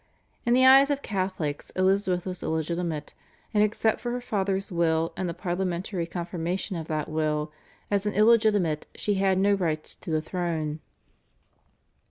In the eyes of Catholics Elizabeth was illegitimate, and except for her father's will and the parliamentary confirmation of that will, as an illegitimate she had no right to the throne.